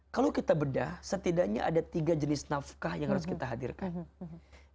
kalau kita bedah setidaknya ada tiga jenis nafkah yang harus kita hadirkan